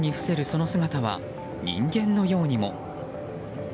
その姿は人間のようにも。